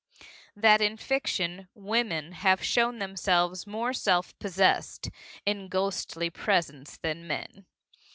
that in fiction women have shown themselves more self possessed in ghostly presence than men.